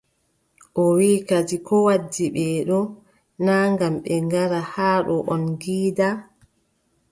O wiʼi kadi koo waddi ɓe ɗo, naa ngam ɓe ngara haa ɗo on ngiida.